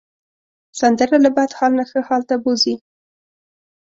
سندره له بد حال نه ښه حال ته بوځي